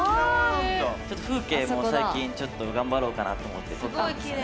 ちょっと風景も最近ちょっと頑張ろうかなと思って撮ったんですよね。